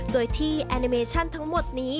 โดยที่แอนิเมชั่นทั้งหมดนี้